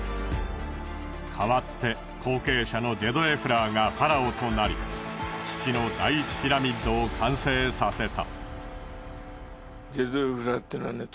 代わって後継者のジェドエフラーがファラオとなり父の第１ピラミッドを完成させた。